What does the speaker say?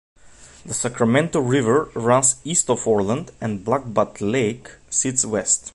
The Sacramento River runs East of Orland and Black Butte Lake sits West.